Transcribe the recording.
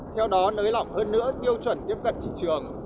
theo đó nới lỏng hơn nữa tiêu chuẩn tiếp cận thị trường